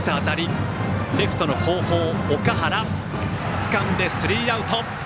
つかんで、スリーアウト。